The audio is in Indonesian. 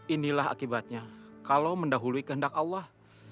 inilah akibatnya kalau mendahului kehendak allah